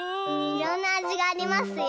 いろんなあじがありますよ。